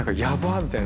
みたいな。